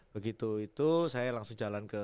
begitu itu saya langsung jalan ke